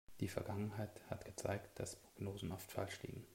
Die Vergangenheit hat gezeigt, dass Prognosen oft falsch liegen.